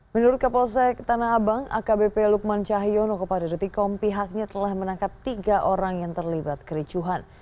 menurut kapolsek tanah abang akbp lukman cahyono kepada detikom pihaknya telah menangkap tiga orang yang terlibat kericuhan